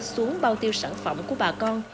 xuống bao tiêu sản phẩm của bà con